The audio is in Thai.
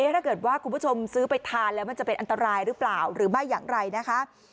ถ้าเกิดว่าคุณผู้ชมซื้อไปทานแล้วมันจะเป็นอันตรายหรือเปล่าหรือไม่อย่างไรนะคะ